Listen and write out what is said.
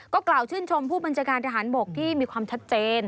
กล่าวชื่นชมผู้บัญชาการทหารบกที่มีความชัดเจน